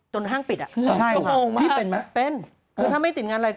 จนห้างปิด